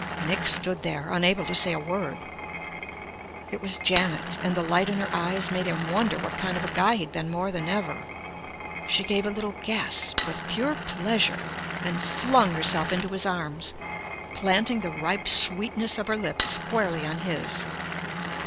Nick stood there, unable to say a word. It was Janet and the light in her eyes made him wonder what kind of a guy he'd been more than ever. She gave a little gasp of pure pleasure and flung herself into his arms, planting the ripe sweetness of her lips squarely on his.